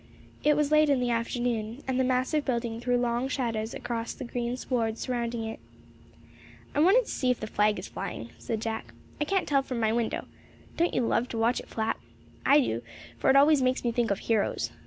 It was late in the afternoon, and the massive building threw long shadows across the green sward surrounding it. "I wanted to see if the flag is flying," said Jack. "I can't tell from my window. Don't you love to watch it flap? I do, for it always makes me think of heroes.